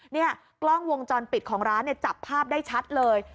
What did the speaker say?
เนี่ยกล้องวงจรปิดของร้านเนี่ยจับภาพได้ชัดเลย